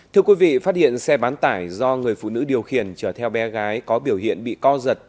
thưa quý vị phát hiện xe bán tải do người phụ nữ điều khiển chở theo bé gái có biểu hiện bị co giật